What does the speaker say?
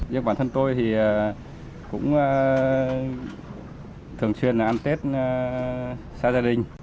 nhưng bản thân tôi thì cũng thường xuyên là ăn tết xa gia đình